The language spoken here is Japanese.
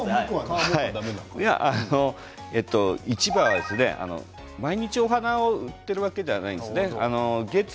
市場は毎日お花を売っているわけではないんですね。